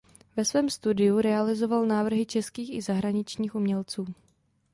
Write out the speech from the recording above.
Ve svém studiu realizoval návrhy českých i zahraničních umělců.